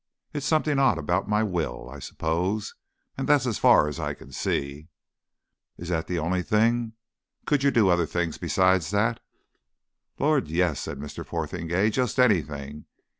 It's something odd about my will, I suppose, and that's as far as I can see." "Is that the only thing. Could you do other things besides that?" "Lord, yes!" said Mr. Fotheringay. "Just anything."